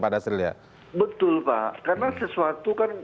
karena sesuatu kan